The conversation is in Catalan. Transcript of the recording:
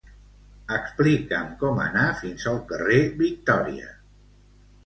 Explica'm com anar fins al carrer Victòria.